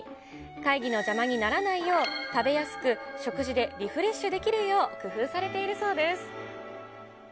会議の邪魔にならないよう、食べやすく、食事でリフレッシュできるよう、工夫されているそうです。